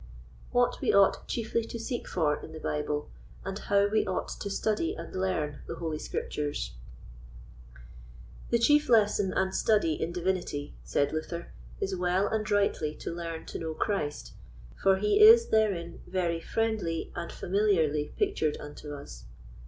What we ought chiefly to seek for in the Bible, and how we ought to study and learn the Holy Scriptures. The chief lesson and study in Divinity, said Luther, is well and rightly to learn to know Christ, for he is therein very friendly and familiarly pictured unto us.